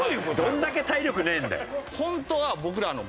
どんだけ体力ねえんだよ。